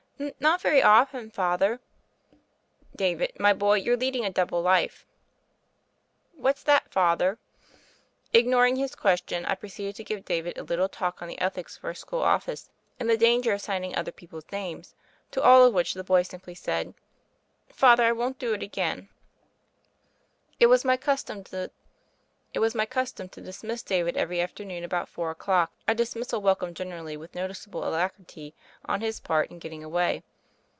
"Not very often. Father." "David, my boy, you're leading a double "What's that. Father?" Ignoring his question, I proceeded to give David a little talk on the ethics of our school office and the danger of signing other people's names, to all of which the hoj simply said: "Father, I won't do it agam." It was my custom to dismiss David every afternoon about four o'clock, a dismissal wel comed generally with noticeable alacrity on his part in getting away.